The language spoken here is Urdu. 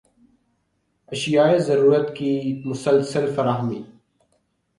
اشیائے ضرورت کی مسلسل فراہمی